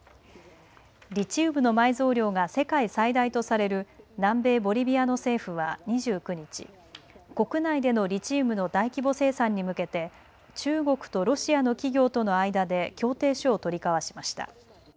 リチウムの埋蔵量が世界最大とされる南米・ボリビアの政府は２９日、国内でのリチウムの大規模生産に向けて中国とロシアの企業との間で協定書を取り交わしました。